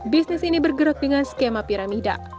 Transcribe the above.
bisnis ini bergerak dengan skema piramida